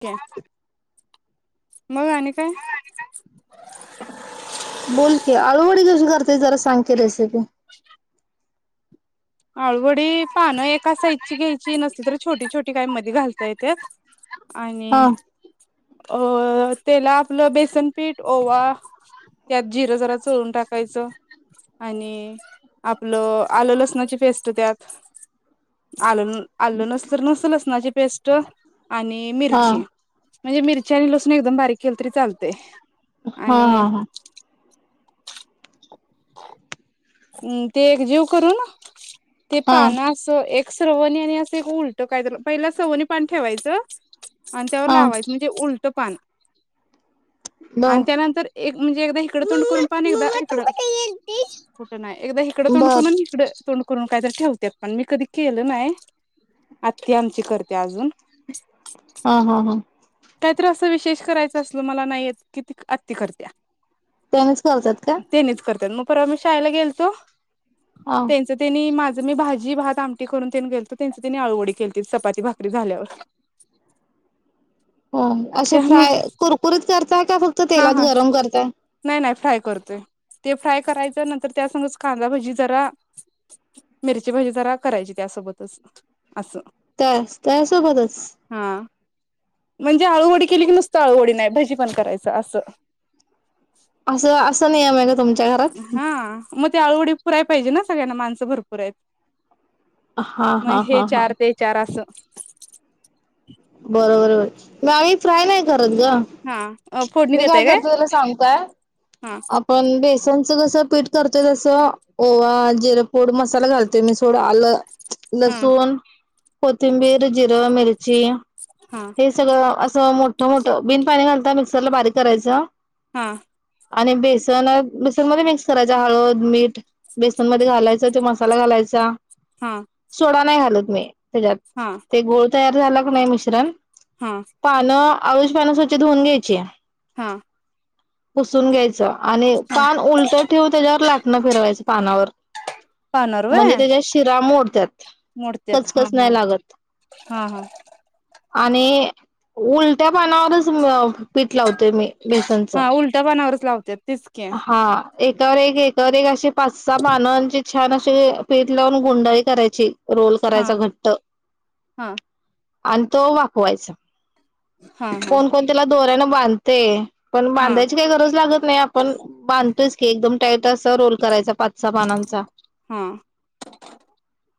[unintelligible] मग आणि काय बोलते आळूवडी कशी करते जरा सांगते रेसिपी [unintelligible] अळू वडी पान एका साइजची घ्यायची नसली तर छोटी छोटी का म घालता येत्यात हा आणि अ त्याला आपलं बेसनपीठ ओवा त्यात जिरं जरा चोळून टाकायचं आणि आपलं आलं लसणाची पेस्ट त्यात आल आलं नसल नसलच ना जे पेस्ट. आणि हा मिरची म्हणजे मिरची आणि लसूण एकदम बारीक केली तरी चालते हा हा हा. हम् ते एक जीव करून ते हा हा पाना असं एक स्रवणी आणि असं एक उलट कायत पहिला स्रवनी पान ठेवायचं आणि त्यावर हा लावायचं म्हणजे उल लट पान आणि बर त्यानंतर एक म्हणजे एकदा इकडे तोंडकरन पण एकदा [unintelligible] एकदा इकडं तोड बर करून इकडे तोंड करून काहीत ठेवते पण मी कधी केलं नाही आत्ती आमची करते अजून हा हा हा काहीत्र असं विशेष करायचं असल मला नाही येत किती आत्ती करतीया त्यानिच करत्यात का? परवा आम्ही शाळेला गेलतो हा त्यांच तेनी माझ मी भाजी भात आमटी करून तेन गेल तर त्यांची त्यांनी आळूवडी केलती चपाती भाकरी झाल्यावर हो असे त्यामुळे फ्राय कुरकुरीत करते. काय का फक्त हा तेलात हा गरम करताय. नाही नाही फ्राय करतोय ते फ्राय करायचं नंतर त्या सग कांदादा भजी जरा मिरची भजी जरा करायची त्यासोबतच असं त्यास त्यासोबतच हा म्हणजे आळूवडी केली की नुसत आळूवडी नाही भाजी पण करायच. असा. असं असा नियम आहे का तुम [inaudible] ते आळूवडी पुराय पाहिजे ना सग्यांना माणसं भरपूर आहेत. हा मग हा हे हा हा चार ते चार असं. बरोबर म आम्ही फ्राय नाय करत. हा ग फोडणी मी काय देताय करतो त्याला स हा आपण बेस च कसं पीठ करतय तसं ओवा जिरेपूड मसाला घालतेय मी सोड आलं. हा लसून. कोथिंबीर जिर, मिरची हा हे सगळं असं मोठं मोठं बिन पाणी घालत. मिक्सर ला बारीक करायचं. हा. आणि बेसन बेसनमध्येध्ये मिक्स करायचा हळद मीठ बेसनमध्ये घालायच तो मसाला घालायचा. हा सोडा नाय. मी ात हा ते गोोलता झाला का नाही म मिश्रम हा पना आयुष पण स्वच्छ धऊन घ्यायची. हा पुसून घ्यायच. आणि हा पान उलट ठेव त्याच्या ला. ना फिरवायच पानावर पानर व म्हणजे त्याच्या शिरा मोडत्यात मोडतत हा कचकच हा नाही लागत हा हा. आणि उलट्या पानावरच पिटला होता. ते मे मेसनच हा उलट्या पानावरच लावत्यात तेच की हा. एकावर एक. एकावर एक. असे. पाच-सहा पानाची. छान असे पीठ लावून गुंडाळी करायची. रोल हा करायचा घट्ट. हा अन. तो वाफवायचा. हा कोण-कोण त्याला. दोऱ्यान बांधते. पण हा बांधायची काही गरज लागत नाही. आपण बांधतोयच की एकदम. तस रोल करायचा पाच-सहा पानांचां. हा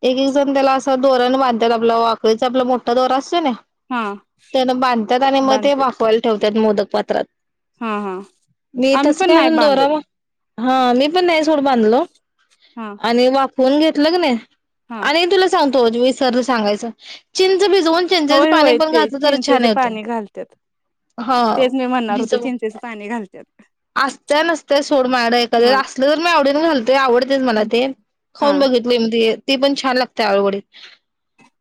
एक-एक जण त्याला अस दोराण बांधात आपला वाकळीचा आपला मोठा दोरा आ त्याने. हा त्यान बांधतात. आणि मग ते बांधतात वाफवायला ठेवत त्या मोदक पात्रात. हा हा मी आम्ही तस पण काय नाही अजून दोरा बांधत व हा मी पण नाही सोड बांधलो. हा आणि वाफूनउन घेत घेतल कनी. हा आणि तुला सांगतो. तेच विसरलं सांगायचं. चिंच भिजवत. चिंचेच होय पाणी होय पण ते घातलं तर छान चिंचेचं होतंय पाणी घालतात हा तेच मी म्हणणार होतो भिजव. चिंचेचं पाणी घालतात असतय नसतय सोड माझ्याकडं एखाद्या हा वेळेस असलं तर मी आवडीन घालतोय. आवडतय मला ते हा खाऊन बघितले मी ते. ते पण छान लागत आळूवडी.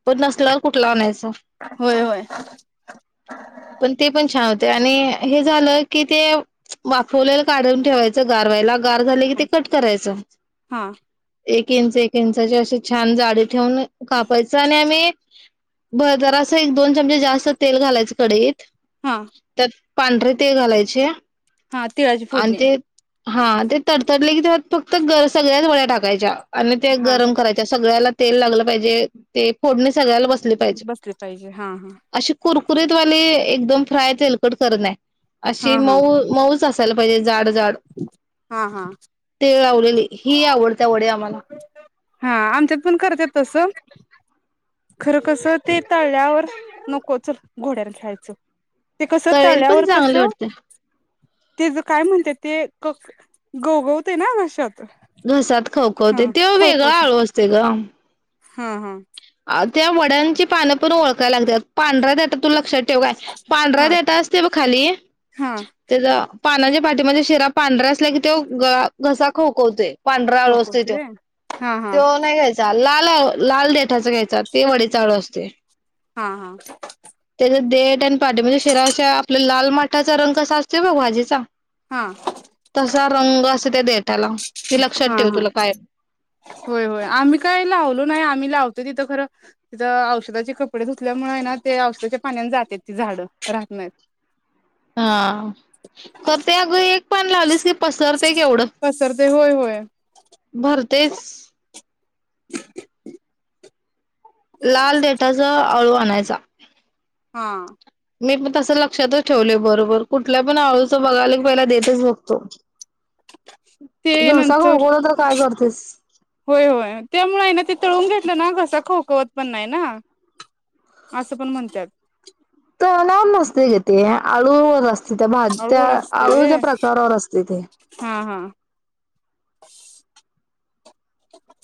पन नसल्यावर कुठल आणणायच. होय होय पण ते पण छान होते. आणि हे झालं की ते. वाफवलेल काढून ठेवायचं गार व्हायला. गार झालं की ते कट करायचं. हा एक इंच एक इंचाची अशी छान जाडी ठेवून अ कापायचं आणि आम्ही बजार आस च एक दोन चमचे जास्त तेल घालायच कडईत हा तत. पांढरे तिळ घालायचे हा तिळाची आणि फोडणी ते हा ते तडतडले की त्यात फक्त गर सगळ्याच वड्या टाकायच्या आणि ते हा गरम करायचे सगळ्याला तेल लागलं पाहिजे ते फोडणीत सगळ्याला बसली पाहिजे बसली पाहिजे हा हा अशी कुरकुरीत कुरत वाले एकदम फ्राय तेलकट करणे हा अशी हा मऊ मऊ अस त्याला पाहिजे जाडचं हा हा नाही नाही ही आवडत्या वडी आम्हाला हा आमच्यात पण करतात तसं खरं कसं ते तळल्यावर नको चल घोड्यावर खेळायचं ते तळलेलं पण चांगले वाटतंय. ते ज काय म्हणत्यात ते क गवगवतयं ना घशात. घश्यात खवखवते हा त्यो वेगळा खवखवते आळू असतोय ग हा हा त्यामुळे त्यांची पान पण ओळखाय लागत्यात पांढरा देठ तुला लक्षात ठेव काय हा पांढरा देठ असतंय बग खाली हा त्याचा पानाच्या पाठीमध्ये शिरा पांढऱ्या असल्या की त्यो ग घसा खवखवतोय. पांढरा अळू असतोय खोखोचे व्हय हा हा त्यो नाही घ्यायचा लाल लाल देत [unintelligible] त वडे चालू असते हा हा त्याच्या ते त्यान पाडे म्हणजे शेराच्या आपले लाल माट माठाचा रंग कसा असतो ब भाजीचा हा हा तसा रंग असे ते देत त्याला हा हा होय होय आम्ही काय लावलो नाही आम्ही लावतो तिथ खर तिथं औषधाचे कपडे धुतल्यामुळ आहे ना ते औषधाच्या पाण्यानी जात्यात ती झाडं राहत नाहीत. हा आ. खरं ते आग एक पान लावलीस की, पसरतय केवढं पसरते होय होय भरतयस. लाल देटाच अळू आणायचा. हा. मी पण तसं लक्षातच ठेवलय, बरोबर कुठल्या पण आळूचं बघायला की, पहिला देठच बघतो. ते घसा नंतर घोळगोळला तर काय करतेस होय होय. त्यामुळे ना ते तळून घेतलं ना, घसा खव खवत पण नाही ना, अस पण म्हणत्यात. तळण्यावर नसतय ग ते, आळूवर अस ते. त्या भाज त्या अळूवर असते व्हय आळूच्या प्रकारावर असते ते. हा हा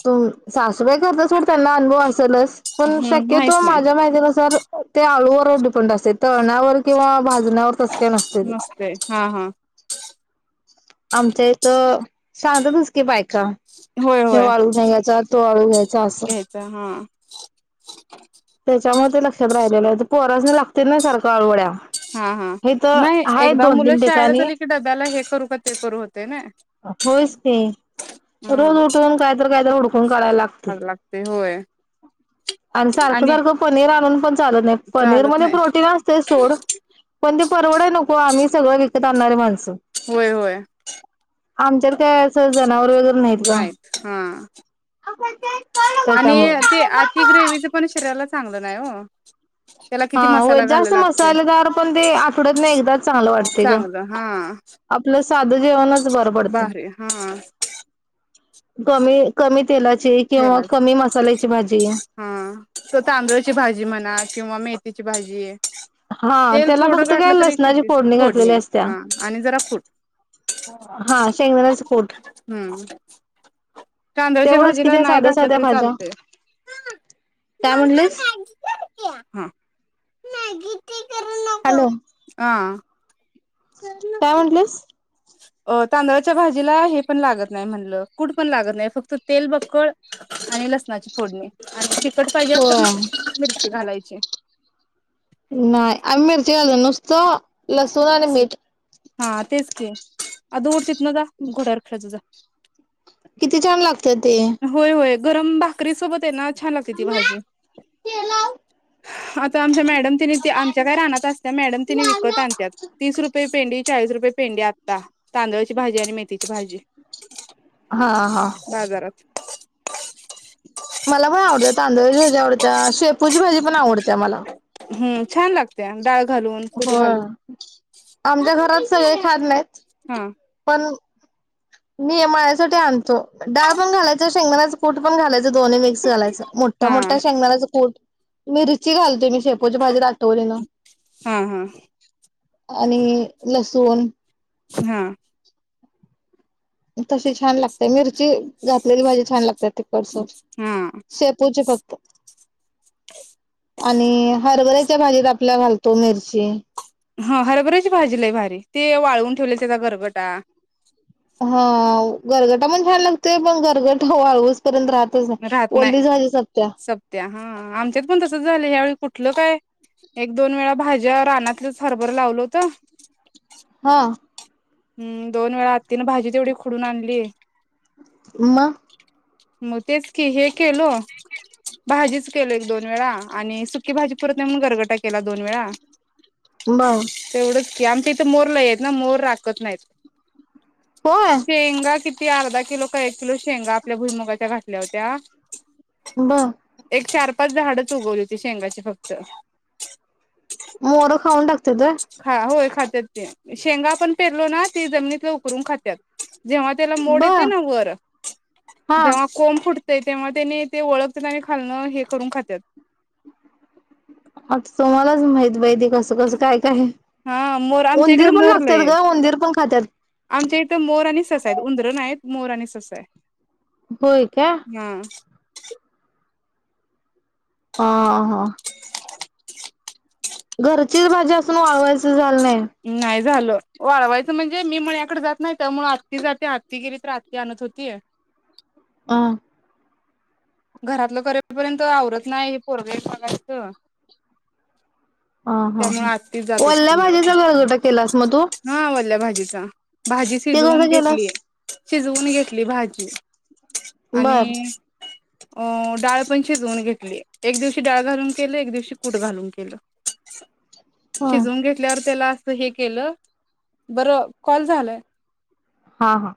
तो सास सगळे करतात सोड. त्यांना अनुभव असेलच, पण हम्म शक्यतो माहित नाही माझ्या माहिती नुसार ते आळूवर डिपेंट असते तळण्यावर किंवा भाजण्यावर तस काय नसतय ते. नसते हा हा आमच्या इथ सांगतातच की बाय का. होय हे होय आळू घ्यायचा. तो आळू घ्यायचा. असं. घ्यायचा हा त्याच्यामुळे ते लक्षात राहिलेलं आहे पोरासनी लागत्यात ना सारख आळू वड्या. हा हा नाही एकदा मुलं तीन शाळेला ठिकाणी चालली की डब्याला हे करू का. ते करू होत होयच की. हा रोज उठून कायतर-कायतर हुडकून काढायला लागते. आग होय आणि सारखं-सारखं पनीर आणून पण चालत नाही. पनीर चालत मध्ये नाही प्रोटीन असतय सोड पण ते परवडाय नको आम्ही सगळ विकत आणणारे माण होय-होय. आमच्यात काय अस ज जनावर वगैरे नाहीत ग. आणि त्याच्यामुळे ते अति ग्रेवीचे पण. त्याला चांगलं नाही ओ. हा हो जास्त मसालेदार पण ते आठवड्यतन एकदाच चांगलं वाटतय ग चांगलं हा आपलं साधं जेवणच बरं पडत. भारी हा कमी-कमीत. हा तांदळची भाजी म्हणा. किंवा मेथी ची भाजी आहे. हा तेल त्याला थोडं फक्त काय घातलं तरी लसणाची किती फोडणी घातलेली असत्या हाय आणि जरा हा शेंगदाण्याचं कूट. [inaudible] तांदळची तेवढंच भाजी. कि त्या नाय साध्या घातक साध्या तरी भाज्या चालतंय. काय म्हटलीस? हा. मॅगी करू नको हॅलो का. काय म्हनलीस. तांदळच्या भाजीला हे पण लागत नाही म्हणलं. कूठ पण लागत नाही. फक्त तेल बक्कळ आणि लसणाची फोडणी आणि तिखट पाहिजे तर होय मिरची घालायची. नाही आम्ही मिरची घालून नुसत. नुसतं लसूण आणि मीठ. हा तेच की आदुगरची. इथनं जा. घोड्यावर खेळ जा जा. किती छान लाग त ते. होय होय गरम भाकरी सोबत हाये ना छान लागते ती भाजी. आता आमच्या मॅड डम तेनी आमच्या काय रानात असत्या, मॅडम तेनी विकत आणत्यात. तीस रुपये पेंडी, चाळीस रुपये पेंडी आता, तांदळची भाजी आणि मेथीची भाजी हा हा बाजारात मला पण आवडतं तांदळची भाजी आवडत्या, शेपूची भाजी पण आवडत्या मला. हम्म, छान लागत्या डाळ घालून कूट हो घालून आमच्या घरात सगळे खात नाहीत. हा पण मी माझ्यासाठी आणतो. डाळ पण घालायच, शेंगदाण्याचं कूठ पण घालायचं. ते दो्न्ही मिक्स घालायचं, मोठा हा मोठा शेंगदाण्याचं कुट. मीरची घालते मी शेपोच्या भाजीत आठवनी न हा हा आणि लसूण हा. तशी छान लागतय मिर ची, घातलेली भाजी छान लागत्या तिखटसर हा शेपूची फक्त आणि हरभऱ्या त्या भाजीत आपल्या घालतो मिरची. हा हरभऱ्याची भाजी लय भारी. ते वाळवून ठेवलेला त्याचा गरगटा. हा गरगटा पण छान लागतोय. पण गरगट वाळऊस पर्यंत राहत राहत ओल्ली नाही भाजीचं सपत्या. सपत्या हा आमच्यात पण तसच झालं. ह्यावेेळी कुठलं काय एक-दोन वेळा भाज्या रानातलंच हरभर लावल होत. हा हम् दोन वेळा आत्ती न भाजी तेवढी खुडून आणली. मग मग तेच की हे. केलो. भाजीच केल एक-दोन-वेळा आणि सुकी भाजी पुरत नाही म्हूनन गरगटा केला दोन वेळा. बर. तेवढंच की आमच्या इथे मोर लई आहेत ना मोर रा राकत नाहीत. होय शेंगा किती. ती अर्धा किलो काय. एक किलो शेंगा. आपल्या भुईमुगाच्या घातल्या होत्या. बर. पण झाडच उगवली होती. शेंगाची फक्त. मोर खाऊंन टाकतात होय. खा होय खात्यात ते शेंगा पण. पेरलो ना ती जमनीतल उकरुन खात्यात जेव्हा त्याला मोड बर येते ना वर, हा जेव्हा कोंब फुट ते तेव्हा त्यांनी ते ओळखत्यात आणि खालन हे करून खातात. आता तुम्हालाच माहित बाई ते कसं कसं काय काय हा मोर आमच्या इकडे उंदीर पण मोर लय लागत्यात आहेत. ग, उंदीर पण खात्यात. आमच्या इथं मोर आणि सस आईत उंंदर नाईत. मोर आणि सस आय. होय का? हा हा. घरचीच भाजी असून वाळवायच झा नाई ज झालं, वाळवायचं म्हणजे मी मळ्याकड जात नाय त्यामुळं आत्ती जात्या, आत्ती गेली तर आत्ती आणत होती. आ. घरातलं करेपर्यंत आवरत नाय हे पोरग एक बघायचं. आ हा त्यामुळे ह आत्तीच जात वल्ल्या होती मळ्यात भाजीचा गरगटा केलास मग तू? जिचा भाजी ते शिजवून कसं केलास घेतली. शिजवून घेतली भाजी बर आणि. अ डाळ पण शिजवून घेतलेली. एक दिवशी डाळ घालून केलं एक दिवशी कूट घालून केलं. ह शिजवून घेतल्यावर त्याला. हे केलं. बरं कॉल झालाय. हा. हा.